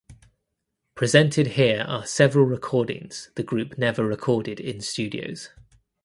Presented here are several recordings the group never recorded in studios.